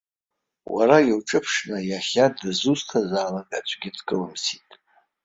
Уара иуҿыԥшны иахьа дызусҭазаалак аӡәгьы дкылымсит!